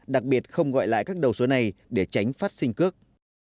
đặc biệt không gọi lại các đầu số này để tránh phát sinh cước